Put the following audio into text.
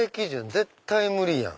絶対無理やん。